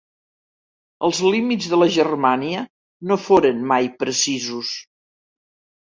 Els límits de la Germània no foren mai precisos.